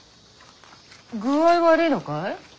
具合悪いのかい？